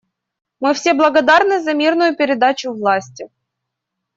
Мы все благодарны за мирную передачу власти.